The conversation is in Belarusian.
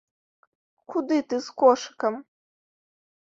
Куды ты з кошыкам?